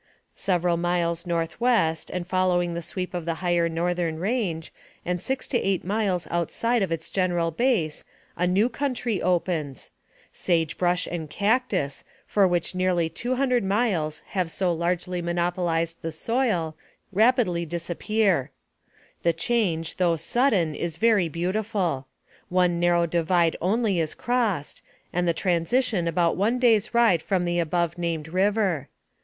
Several miles northwest, and following the sweep of the higher northern range, and six to eight miles out side its general base, a new country opens. Sage brush and cactus, which for nearly two hundred miles have so largely monopolized the soil, rapidly disappear. The change, though sudden, is very beautiful. One narrow divide only is crossed, and the transition about one day's ride from the above named river.